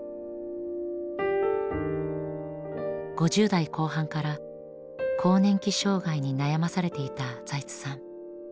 ５０代後半から更年期障害に悩まされていた財津さん。